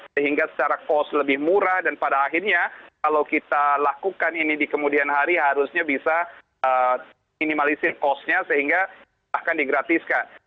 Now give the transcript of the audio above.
sehingga secara cost lebih murah dan pada akhirnya kalau kita lakukan ini di kemudian hari harusnya bisa minimalisir costnya sehingga akan digratiskan